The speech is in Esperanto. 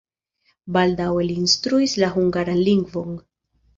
Baldaŭe li instruis la hungaran lingvon.